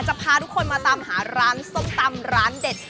พาทุกคนมาตามหาร้านส้มตำร้านเด็ด